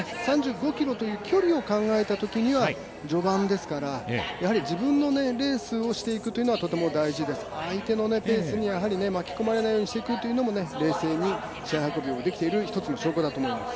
３５ｋｍという距離を考えたときには序盤ですから、自分のレースをしていくというのはとても大事です相手のペースに巻き込まれないようにしていくのも冷静に試合運びができている証拠だと思います。